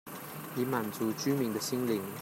以滿足居民的心靈